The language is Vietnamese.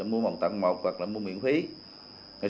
mua một tặng một hoặc là mua miễn phí